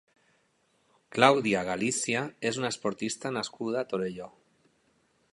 Clàudia Galicia és una esportista nascuda a Torelló.